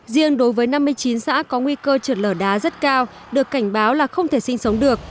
riêng đối với năm mươi chín xã có nguy cơ trượt lở đá rất cao được cảnh báo là không thể sinh sống được